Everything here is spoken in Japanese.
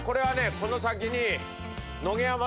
この先に。